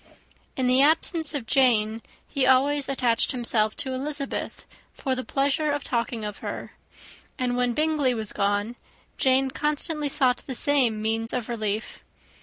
In the absence of Jane, he always attached himself to Elizabeth for the pleasure of talking of her; and when Bingley was gone, Jane constantly sought the same means of relief.